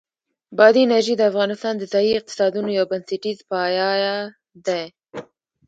بادي انرژي د افغانستان د ځایي اقتصادونو یو بنسټیز پایایه دی.